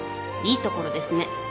いいところですね